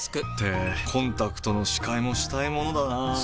ってコンタクトの視界もしたいものだなぁ。